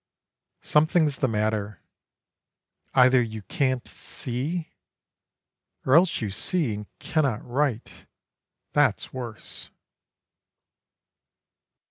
Something's the matter: either you can't see, Or else you see, and cannot write that's worse.